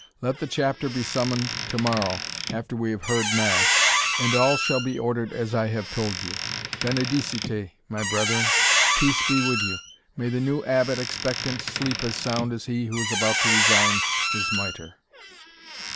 Let the Chapter be summoned to morrow after we have heard mass, and all shall be ordered as I have told you. Benedicite, my brethren! peace be with you! May the new Abbot expectant sleep as sound as he who is about to resign his mitre."